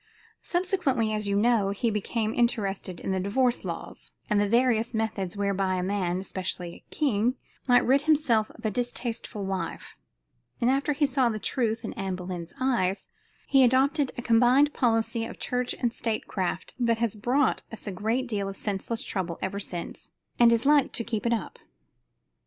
Subsequently, as you know, he became interested in the divorce laws, and the various methods whereby a man, especially a king, might rid himself of a distasteful wife; and after he saw the truth in Anne Boleyn's eyes, he adopted a combined policy of church and state craft that has brought us a deal of senseless trouble ever since and is like to keep it up.